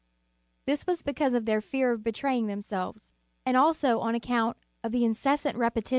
This was because of their fear of betraying themselves, and also on account of the incessant repetition * Moral.